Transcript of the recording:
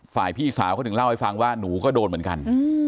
พี่สาวเขาถึงเล่าให้ฟังว่าหนูก็โดนเหมือนกัน